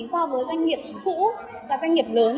so với doanh nghiệp cũ và doanh nghiệp lớn